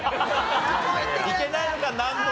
いけないのか難問。